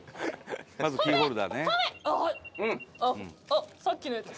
「あっさっきのやつ。